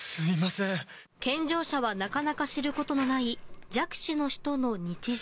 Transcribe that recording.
健常者はなかなか知ることのない弱視の人の日常。